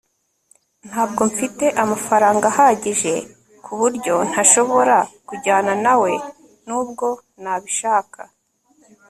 ntabwo mfite amafaranga ahagije, kuburyo ntashobora kujyana nawe nubwo nabishaka